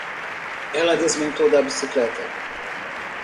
Ela desmontou da bicicleta.